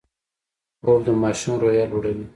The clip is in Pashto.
خوب د ماشوم روحیه لوړوي